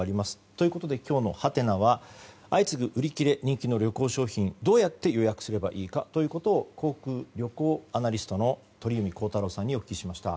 ということで、今日のハテナは相次ぐ売り切れ人気の旅行商品どうやって予約すればいいかということを航空・旅行アナリストの鳥海高太朗さんにお聞きしました。